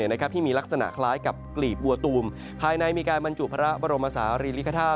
ที่มีลักษณะคล้ายกับกลีบบัวตูมภายในมีการบรรจุพระบรมศาลีริคท่า